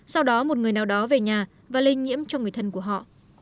sau đó một người nào đó về nhà và lây nhiễm cho người thân của họ